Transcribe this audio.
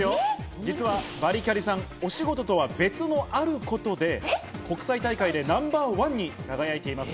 実はバリキャリさん、お仕事とは別のあることで国際大会でナンバーワンに輝いています。